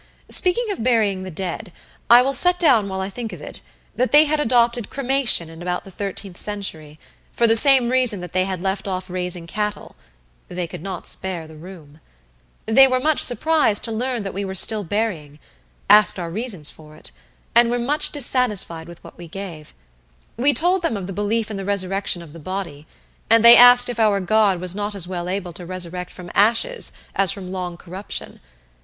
Speaking of burying the dead, I will set down while I think of it, that they had adopted cremation in about the thirteenth century, for the same reason that they had left off raising cattle they could not spare the room. They were much surprised to learn that we were still burying asked our reasons for it, and were much dissatisfied with what we gave. We told them of the belief in the resurrection of the body, and they asked if our God was not as well able to resurrect from ashes as from long corruption.